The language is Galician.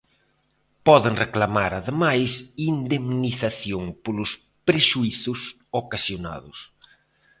Poden reclamar, ademais, indemnización polos prexuízos ocasionados.